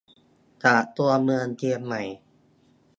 จากตัวเมืองเชียงใหม่